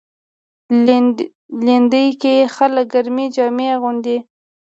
لېندۍ کې خلک ګرمې جامې اغوندي.